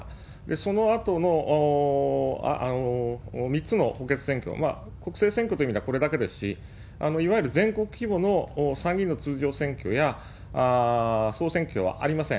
そのあとの３つの補欠選挙、国政選挙という意味ではこれだけですし、いわゆる全国規模の参議院の通常選挙や総選挙はありません。